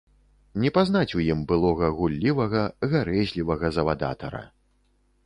Не пазнаць у ім былога гуллівага, гарэзлівага завадатара.